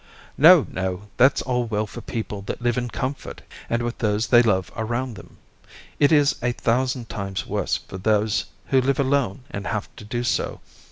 "No! no! that's all well for people that live in comfort and with those they love around them. It is a thousand times worse for those who live alone and have to do so.